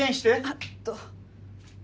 あっと。